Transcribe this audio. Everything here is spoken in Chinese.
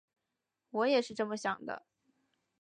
我也是这么想的